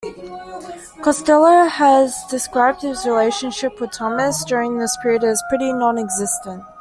Costello has described his relationship with Thomas during this period as "pretty non-existent".